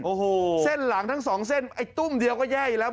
โอ้โหเส้นหลังทั้งสองเส้นไอ้ตุ้มเดียวก็แย่อยู่แล้ว